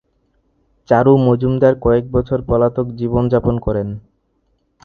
চারু মজুমদার কয়েক বছর পলাতক জীবন যাপন করেন।